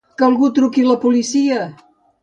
Que algú truqui a la policia!